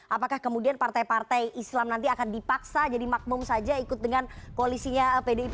apakah kemudian partai partai islam nanti akan dipaksa jadi makmum saja ikut dengan koalisinya pdip